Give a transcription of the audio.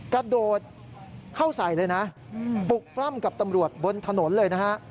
กระโดดเข้าใส่เลยนะปลุกปล้ำกับตำรวจบนถนนเลยนะฮะ